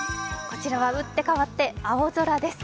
こちらはうってかわって青空です。